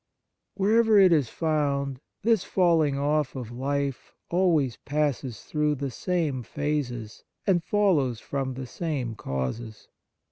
Wherever it is found, this falling off of life always passes through the same phases and follows from the same causes.